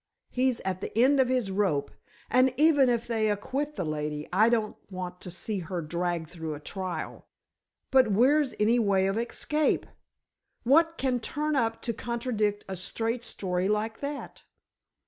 He's at the end of his rope, and even if they acquit the lady I don't want to see her dragged through a trial. But where's any way of escape? What can turn up to contradict a straight story like that?